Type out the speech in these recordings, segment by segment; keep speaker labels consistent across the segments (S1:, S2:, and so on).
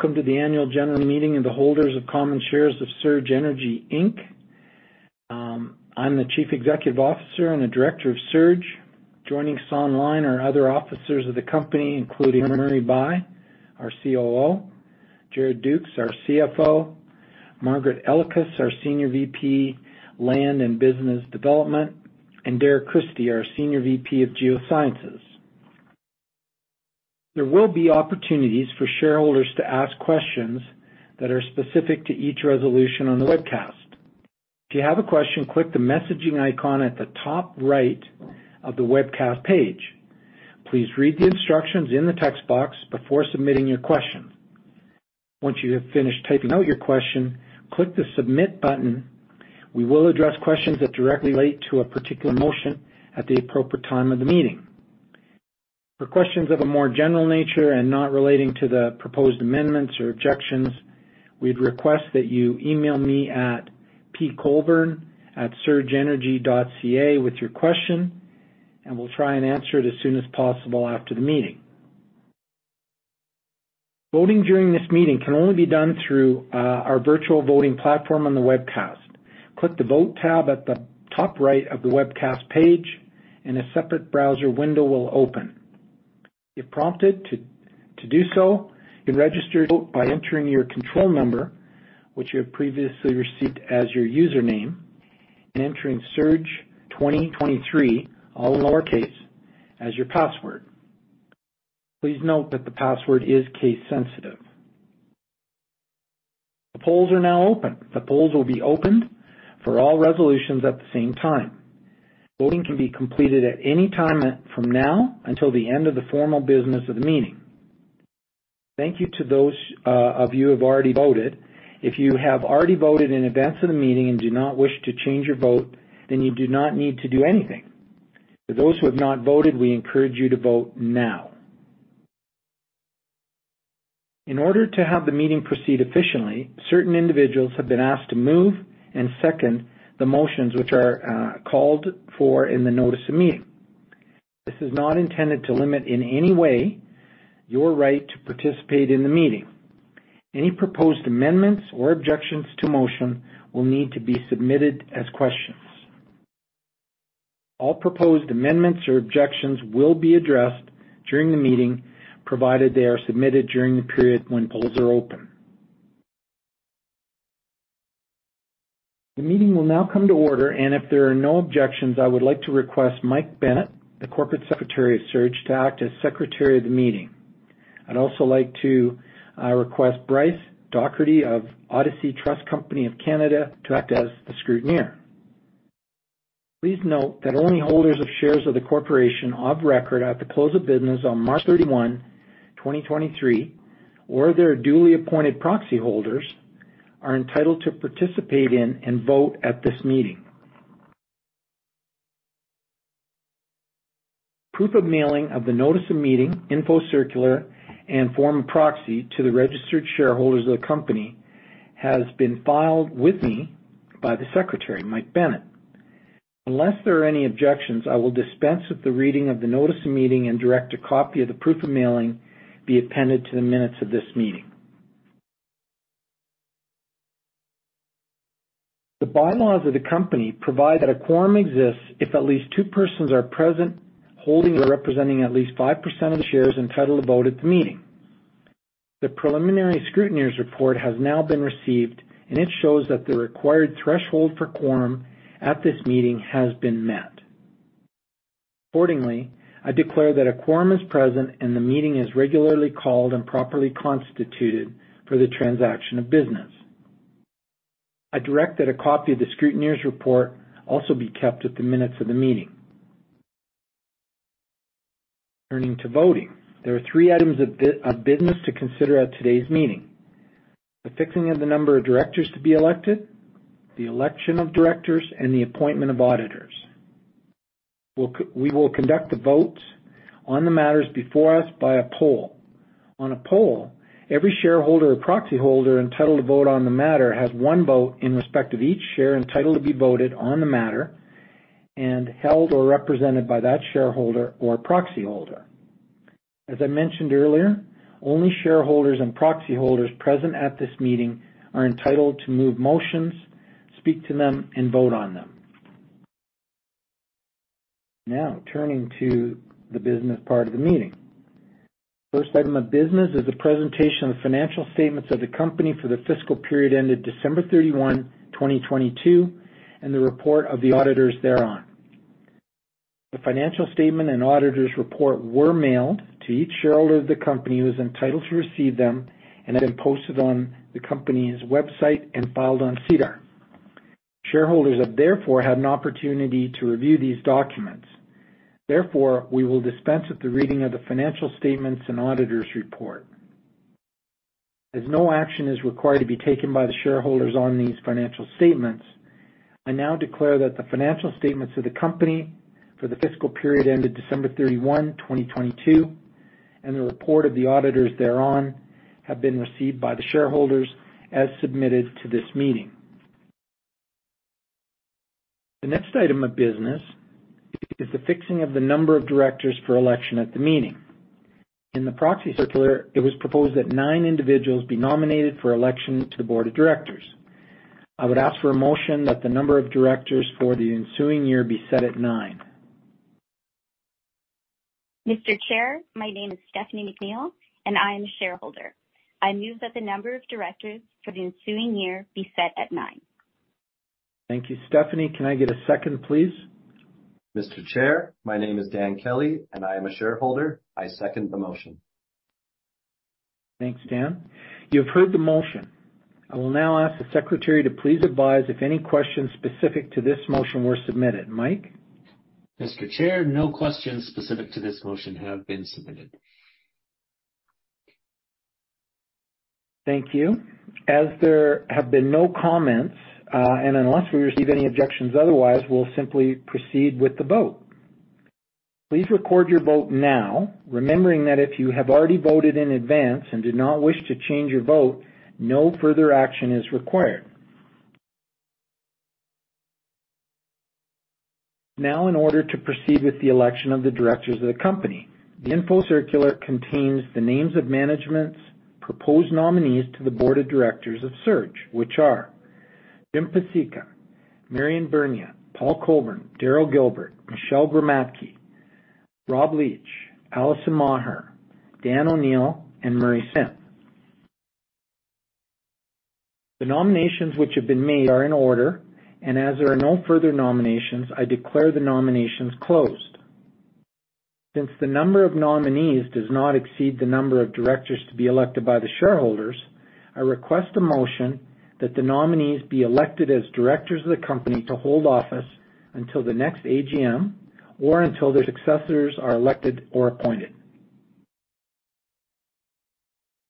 S1: Welcome to the annual general meeting of the holders of common shares of Surge Energy Inc. I'm the Chief Executive Officer and a director of Surge. Joining us online are other officers of the company, including Murray Bye, our COO, Jared Ducs, our CFO, Margaret Elekes, our Senior Vice President, Land and Business Development, and Derek Christie, our Senior Vice President of Geosciences. There will be opportunities for shareholders to ask questions that are specific to each resolution on the webcast. If you have a question, click the messaging icon at the top right of the webcast page. Please read the instructions in the text box before submitting your question. Once you have finished typing out your question, click the Submit button. We will address questions that directly relate to a particular motion at the appropriate time of the meeting. For questions of a more general nature and not relating to the proposed amendments or objections, we'd request that you email me at pcolborne@surgeenergy.ca with your question, and we'll try and answer it as soon as possible after the meeting. Voting during this meeting can only be done through our virtual voting platform on the webcast. Click the Vote tab at the top right of the webcast page, and a separate browser window will open. If prompted to do so, you can register to vote by entering your control number, which you have previously received as your username, and entering "surge2023" all lowercase as your password. Please note that the password is case sensitive. The polls are now open. The polls will be open for all resolutions at the same time. Voting can be completed at any time from now until the end of the formal business of the meeting. Thank you to those of you who have already voted. If you have already voted in advance of the meeting and do not wish to change your vote, then you do not need to do anything. For those who have not voted, we encourage you to vote now. In order to have the meeting proceed efficiently, certain individuals have been asked to move and second the motions which are called for in the notice of meeting. This is not intended to limit in any way your right to participate in the meeting. Any proposed amendments or objections to a motion will need to be submitted as questions. All proposed amendments or objections will be addressed during the meeting, provided they are submitted during the period when polls are open. The meeting will now come to order. If there are no objections, I would like to request Mike Bennett, the Corporate Secretary of Surge, to act as secretary of the meeting. I'd also like to request Bryce Dougherty of Odyssey Trust Company of Canada to act as the scrutineer. Please note that only holders of shares of the corporation of record at the close of business on March 31st, 2023, or their duly appointed proxy holders are entitled to participate in and vote at this meeting. Proof of mailing of the notice of meeting, info circular, and form of proxy to the registered shareholders of the company has been filed with me by the secretary, Mike Bennett. Unless there are any objections, I will dispense with the reading of the notice of meeting and direct a copy of the proof of mailing be appended to the minutes of this meeting. The bylaws of the company provide that a quorum exists if at least two persons are present, holding or representing at least 5% of the shares entitled to vote at the meeting. The preliminary scrutineer's report has now been received, and it shows that the required threshold for quorum at this meeting has been met. Accordingly, I declare that a quorum is present, and the meeting is regularly called and properly constituted for the transaction of business. I direct that a copy of the scrutineer's report also be kept with the minutes of the meeting. Turning to voting, there are three items of business to consider at today's meeting. The fixing of the number of directors to be elected, the election of directors, and the appointment of auditors. We will conduct the votes on the matters before us by a poll. On a poll, every shareholder or proxy holder entitled to vote on the matter has one vote in respect of each share entitled to be voted on the matter and held or represented by that shareholder or proxy holder. As I mentioned earlier, only shareholders and proxy holders present at this meeting are entitled to move motions, speak to them, and vote on them. Turning to the business part of the meeting. First item of business is the presentation of the financial statements of the company for the fiscal period ended December 31st, 2022, and the report of the auditors thereon. The financial statement and auditor's report were mailed to each shareholder of the company who is entitled to receive them and have been posted on the company's website and filed on SEDAR. Shareholders have therefore had an opportunity to review these documents. Therefore, we will dispense with the reading of the financial statements and auditor's report. As no action is required to be taken by the shareholders on these financial statements, I now declare that the financial statements of the company for the fiscal period ended December 31st, 2022, and the report of the auditors thereon have been received by the shareholders as submitted to this meeting. The next item of business is the fixing of the number of directors for election at the meeting. In the proxy circular, it was proposed that nine individuals be nominated for election to the board of directors. I would ask for a motion that the number of directors for the ensuing year be set at nine.
S2: Mr. Chair, my name is Stephanie McNeill. I am a shareholder. I move that the number of directors for the ensuing year be set at nine.
S1: Thank you, Stephanie. Can I get a second, please?
S3: Mr. Chair, my name is Dan Kelly. I am a shareholder. I second the motion.
S1: Thanks, Dan. You have heard the motion. I will now ask the secretary to please advise if any questions specific to this motion were submitted. Mike?
S4: Mr. Chair, no questions specific to this motion have been submitted.
S1: Thank you. As there have been no comments, and unless we receive any objections otherwise, we'll simply proceed with the vote. Please record your vote now, remembering that if you have already voted in advance and do not wish to change your vote, no further action is required. Now, in order to proceed with the election of the directors of the company, the info circular contains the names of management's proposed nominees to the board of directors of Surge, which are Jim Paseka, Marian Burnia, Paul Colburn, Darrell Gilbert, Michelle Gromadki, Rob Leach, Allison Maher, Dan O'Neil, and Murray Sim. The nominations which have been made are in order, and as there are no further nominations, I declare the nominations closed. Since the number of nominees does not exceed the number of directors to be elected by the shareholders, I request a motion that the nominees be elected as directors of the company to hold office until the next AGM or until their successors are elected or appointed.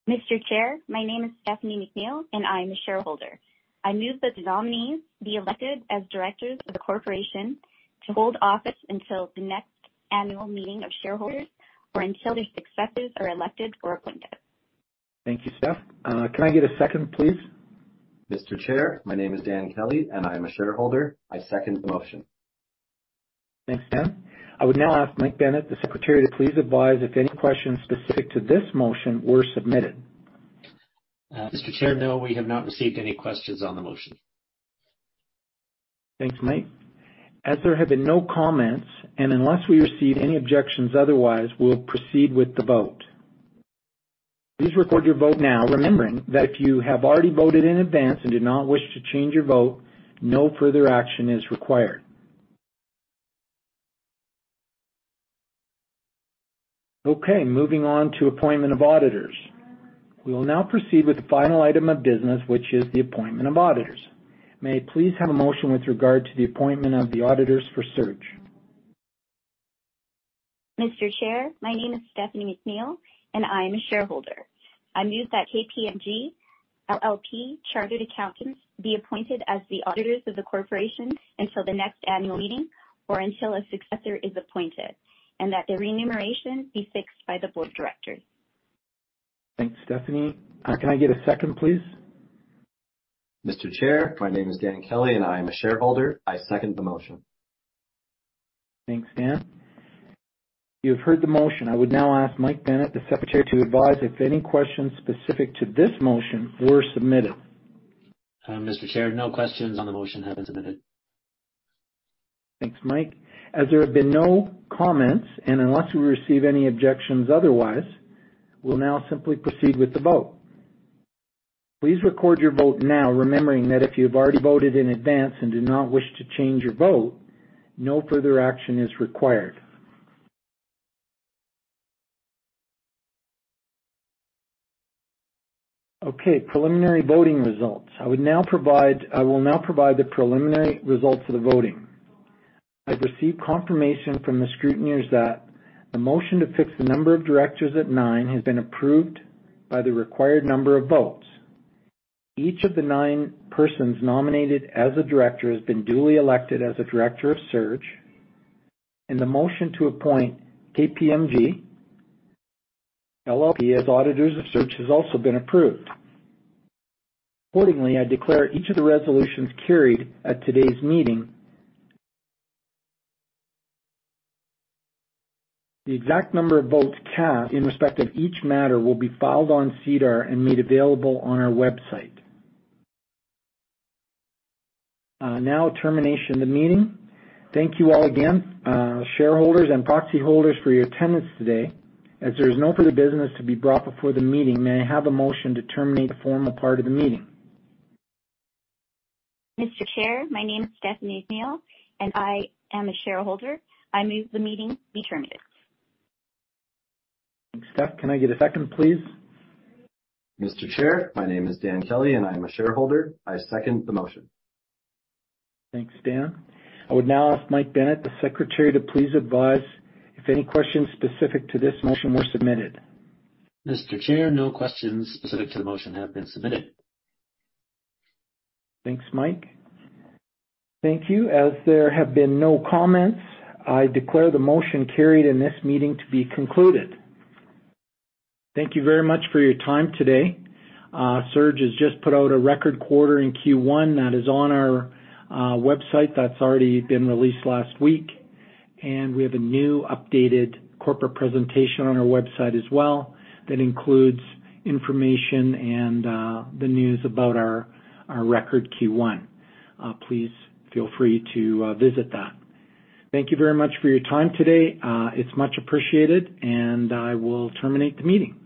S2: Mr. Chair, my name is Stephanie McNeill, and I am a shareholder. I move that the nominees be elected as directors of the corporation to hold office until the next annual meeting of shareholders or until their successors are elected or appointed.
S1: Thank you, Steph. Can I get a second, please?
S3: Mr. Chair, my name is Dan Kelly, and I am a shareholder. I second the motion.
S1: Thanks, Dan. I would now ask Michael Bennett, the Secretary, to please advise if any questions specific to this motion were submitted.
S4: Mr. Chair, no, we have not received any questions on the motion.
S1: Thanks, Mike. As there have been no comments, and unless we receive any objections otherwise, we'll proceed with the vote. Please record your vote now, remembering that if you have already voted in advance and do not wish to change your vote, no further action is required. Okay, moving on to appointment of auditors. We will now proceed with the final item of business, which is the appointment of auditors. May I please have a motion with regard to the appointment of the auditors for Surge?
S2: Mr. Chair, my name is Stephanie McNeill, and I am a shareholder. I move that KPMG LLP Chartered Accountants be appointed as the auditors of the corporation until the next annual meeting or until a successor is appointed, and that their remuneration be fixed by the board of directors.
S1: Thanks, Stephanie. Can I get a second, please?
S3: Mr. Chair, my name is Dan Kelly, and I am a shareholder. I second the motion.
S1: Thanks, Dan. You have heard the motion. I would now ask Michael Bennett, the Secretary, to advise if any questions specific to this motion were submitted.
S4: Mr. Chair, no questions on the motion have been submitted.
S1: Thanks, Mike. Unless we receive any objections otherwise, we'll now simply proceed with the vote. Please record your vote now, remembering that if you've already voted in advance and do not wish to change your vote, no further action is required. Okay, preliminary voting results. I will now provide the preliminary results of the voting. I've received confirmation from the scrutineers that the motion to fix the number of directors at nine has been approved by the required number of votes. Each of the nine persons nominated as a director has been duly elected as a director of Surge, and the motion to appoint KPMG LLP as auditors of Surge has also been approved. Accordingly, I declare each of the resolutions carried at today's meeting. The exact number of votes cast in respect of each matter will be filed on SEDAR and made available on our website. Termination of the meeting. Thank you all again, shareholders and proxy holders, for your attendance today. As there is no further business to be brought before the meeting, may I have a motion to terminate the formal part of the meeting?
S2: Mr. Chair, my name is Stephanie McNeill. I am a shareholder. I move the meeting be terminated.
S1: Thanks, Steph. Can I get a second, please?
S3: Mr. Chair, my name is Dan Kelly. I am a shareholder. I second the motion.
S1: Thanks, Dan. I would now ask Michael Bennett, the Corporate Secretary, to please advise if any questions specific to this motion were submitted.
S4: Mr. Chair, no questions specific to the motion have been submitted.
S1: Thanks, Mike. Thank you. As there have been no comments, I declare the motion carried and this meeting to be concluded. Thank you very much for your time today. Surge has just put out a record quarter in Q1 that is on our website. That's already been released last week, and we have a new updated corporate presentation on our website as well that includes information and the news about our record Q1. Please feel free to visit that. Thank you very much for your time today. It's much appreciated, and I will terminate the meeting.